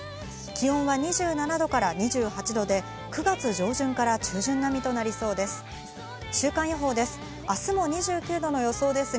気温は２７度から２８度で９月上旬から中旬並みとなりそうです。